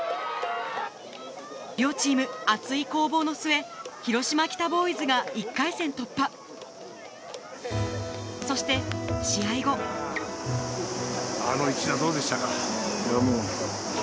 両チーム熱い攻防の末広島北ボーイズが１回戦突破そして試合後最高でした。